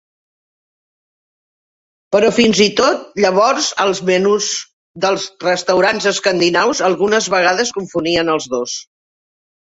Però, fins i tot llavors, els menús dels restaurants escandinaus algunes vegades confonien els dos.